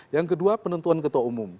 yang kedua penentuan ketua umum